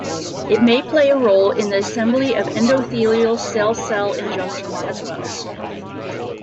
It may play a role in the assembly of endothelial cell-cell junctions, as well.